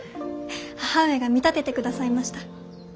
母上が見立ててくださいました。